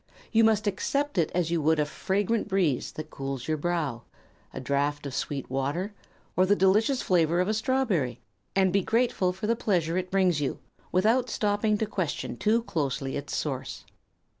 You must accept it as you would a fragrant breeze that cools your brow, a draught of sweet water, or the delicious flavor of a strawberry, and be grateful for the pleasure it brings you, without stopping to question too closely its source.